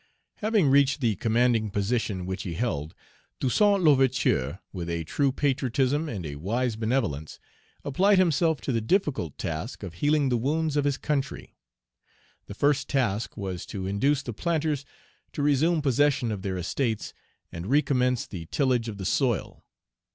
HAVING reached the commanding position which he held, Toussaint L'Ouverture, with a true patriotism and a wise benevolence, applied himself to the difficult task of healing the wounds of his country. The first task was to induce the planters to resume possession of their estates, and re commence the tillage of the soil.